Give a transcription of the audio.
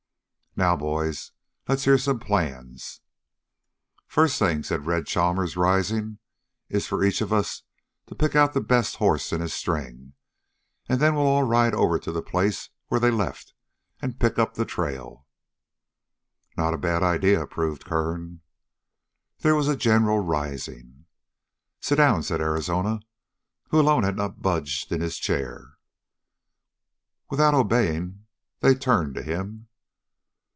"Now, boys, let's hear some plans." "First thing," said Red Chalmers, rising, "is for each of us to pick out the best hoss in his string, and then we'll all ride over to the place where they left and pick up the trail." "Not a bad idea," approved Kern. There was a general rising. "Sit down," said Arizona, who alone had not budged in his chair. Without obeying, they turned to him.